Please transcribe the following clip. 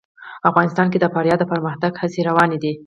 افغانستان کې د فاریاب د پرمختګ هڅې روانې دي.